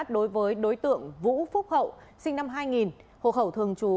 đối với đối tượng vũ phúc hậu sinh năm hai nghìn hộ khẩu thường trú